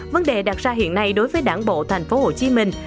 vấn đề đặt ra hiện nay đối với đảng bộ thành phố hồ chí minh